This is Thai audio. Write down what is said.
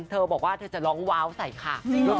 เธอบอกว่าจะร้องวาวใส่ขาก